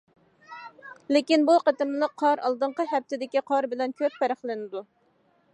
لېكىن بۇ قېتىملىق قار ئالدىنقى ھەپتىدىكى قار بىلەن كۆپ پەرقلىنىدۇ.